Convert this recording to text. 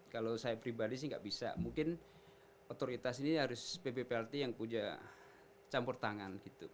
kalau saya pribadi sih nggak bisa mungkin otoritas ini harus ppplt yang punya campur tangan gitu